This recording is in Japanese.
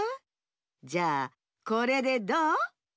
じゃあこれでどう？